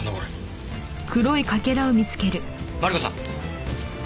マリコさん。